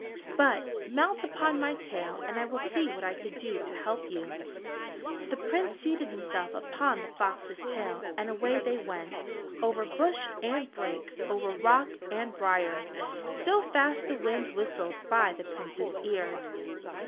But mount upon my tail and I will see what I can do to help you." The Prince seated himself upon the fox's tail and away they went, over bush and brake, over rock and brier, so fast the wind whistled by the Prince's ears.